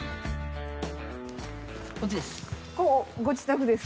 こっちです。